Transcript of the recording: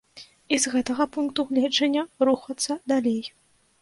І з гэтага пункту гледжання рухацца далей.